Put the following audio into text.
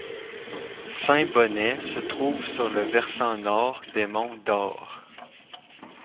Saint-Bonnet se trouve sur le versant nord des monts Dore.